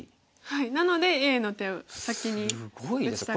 なのでＡの手を先に打ちたくなかった。